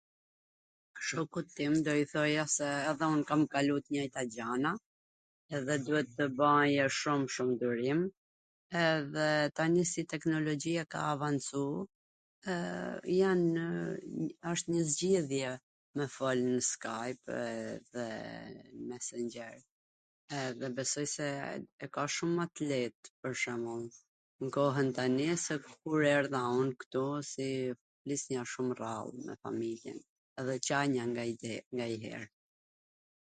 Shokut tim do i thoja se edhe un kam kalu t njajtat gjana, edhe duhet tw bajw shum shum durim, edhe tani si teknologjia ka avancu, janw, asht nji zgjidhje me fol nw Skajp dhe Messngjer, dhe besoj se e ka ma shum t let tani, sesa n kohwn kur erdha un ktu, si flisnja shum rrall me familjen edhe qanja nganjher.